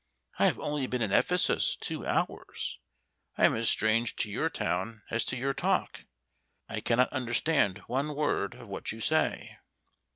"I have only been in Ephesus two hours; I am as strange to your town as to your talk; I cannot understand one word of what you say."